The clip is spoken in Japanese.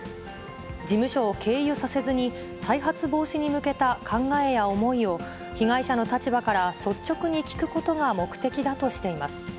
事務所を経由させずに、再発防止に向けた考えや思いを、被害者の立場から率直に聞くことが目的だとしています。